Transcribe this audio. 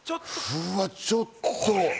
うわ、ちょっと。